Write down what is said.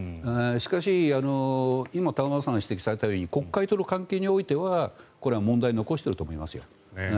しかし、今玉川さんが指摘されたように国会との関係においては問題を残していると思いますよ。